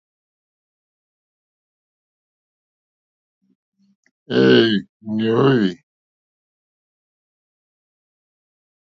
Ɛ̄ɛ̄, nè óhwì.